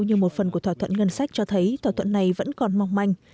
như một phần của thỏa thuận ngân sách cho thấy thỏa thuận này vẫn còn mong manh